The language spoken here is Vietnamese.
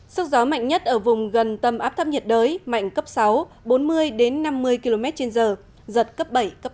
sức gió mạnh nhất ở vùng gần tâm áp thấp nhiệt đới mạnh cấp sáu bốn mươi năm mươi km trên giờ giật cấp bảy cấp tám